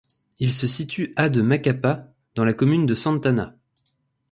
Il se situe à de Macapà, dans la commune de Santana.